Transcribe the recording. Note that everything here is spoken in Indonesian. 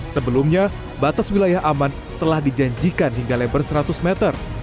sebelumnya batas wilayah aman telah dijanjikan hingga lebar seratus meter